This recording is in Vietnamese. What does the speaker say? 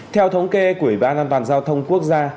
theo thống kê của ủy ban an toàn giao thông quốc gia